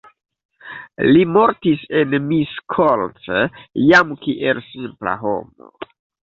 Li mortis en Miskolc jam kiel simpla homo.